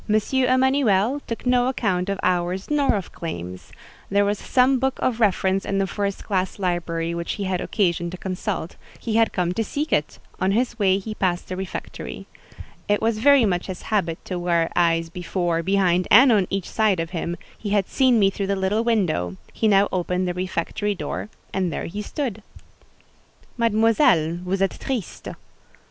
Emanuel took no account of hours nor of claims: there was some book of reference in the first class library which he had occasion to consult; he had come to seek it: on his way he passed the refectory. It was very much his habit to wear eyes before, behind, and on each side of him: he had seen me through the little window—he now opened the refectory door, and there he stood. "Mademoiselle, vous êtes triste."